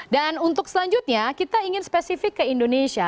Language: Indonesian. dan untuk selanjutnya kita ingin spesifik ke indonesia